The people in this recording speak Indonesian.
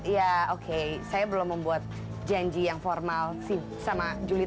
ya oke saya belum membuat janji yang formal sih sama juli